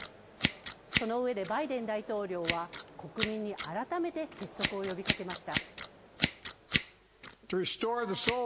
そのうえでバイデン大統領は国民に改めて結束を呼びかけました。